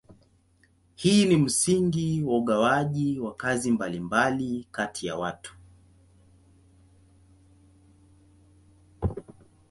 Hii ni msingi wa ugawaji wa kazi mbalimbali kati ya watu.